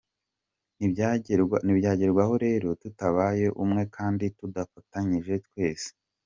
Ntibyagerwaho rero tutabaye umwe kandi tudafatanyije twese.